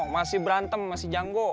masih berantem masih janggo